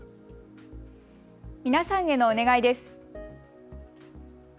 皆さんへのお願いです。